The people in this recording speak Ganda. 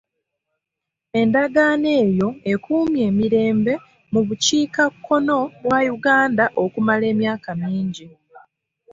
Endagaano eyo ekuumye emirembe mu bukiikakkono bwa Uganda okumala emyaka mingi.